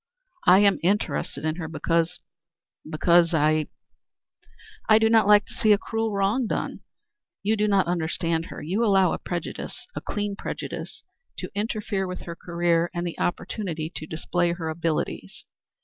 "I am interested in her because because I do not like to see a cruel wrong done. You do not understand her. You allow a prejudice, a class prejudice, to interfere with her career and the opportunity to display her abilities.